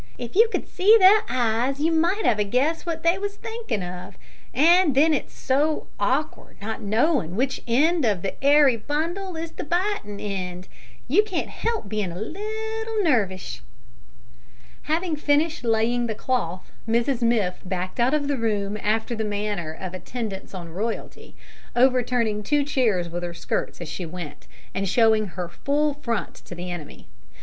If you could see their heyes you might 'ave a guess what they was a thinkin' of; an' then it is so orkard not knowin' w'ich end of the 'airy bundle is the bitin' end, you can't help bein' nervish a little." Having finished laying the cloth, Mrs Miff backed out of the room after the manner of attendants on royalty, overturning two chairs with her skirts as she went, and showing her full front to the enemy.